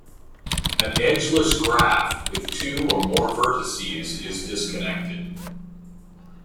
An edgeless graph with two or more vertices is disconnected.